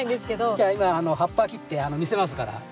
じゃあ今葉っぱ切って見せますから。